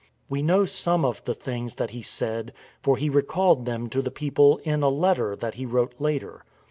We know some of the things that he said, for he recalled them to the people in a letter that he wrote later.